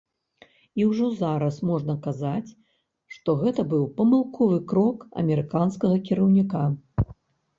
І ўжо зараз можна казаць, што гэта быў памылковы крок амерыканскага кіраўніка.